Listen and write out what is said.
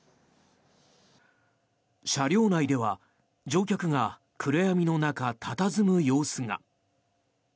車両内では乗客が暗闇の中、佇む様子が。